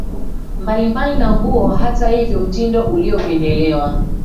mbalimbali na nguo Hata hivyo mtindo uliopendelewa